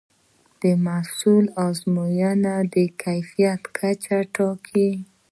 د محصول ازموینه د کیفیت کچه ټاکي.